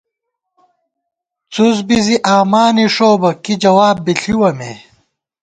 څُس بی زی آمانِݭوؤ بہ کی جواب بی ݪِوَہ مے